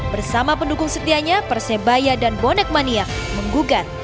bersama pendukung setianya persebaya dan bonek mania menggugat